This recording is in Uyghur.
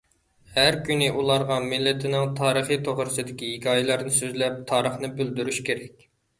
ھەر كۈنى ئۇلارغا مىللىتىنىڭ تارىخى توغرىسىدىكى ھېكايىلەرنى سۆزلەپ، تارىخنى بىلدۈرۈشى كېرەك.